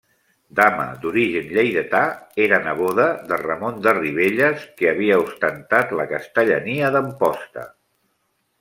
Dama d'origen lleidatà, era neboda de Ramon de Ribelles, que havia ostentat la castellania d'Amposta.